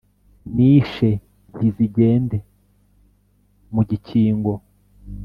nishe ntizigende mu gikingo